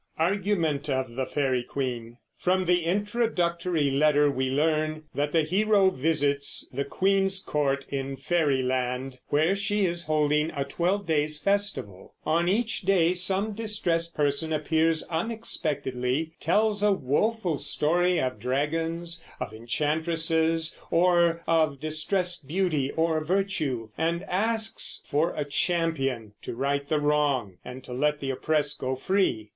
ARGUMENT OF THE FAERY QUEEN. From the introductory letter we learn that the hero visits the queen's court in Fairy Land, while she is holding a twelve days festival. On each day some distressed person appears unexpectedly, tells a woful story of dragons, of enchantresses, or of distressed beauty or virtue, and asks for a champion to right the wrong and to let the oppressed go free.